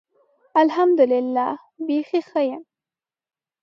الحمدالله. بیخي ښۀ یم.